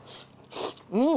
うん！